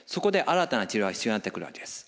そこで新たな治療が必要になってくるわけです。